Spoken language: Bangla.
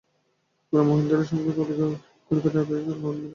এবারে মহেন্দ্রের সঙ্গে কলিকাতায় কি তোমার দেখা হইয়াছিল।